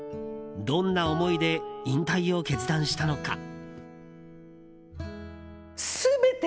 どんな思いで引退を決断したのか。